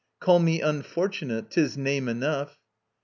Call me Unfortunate. 'Tis name enough.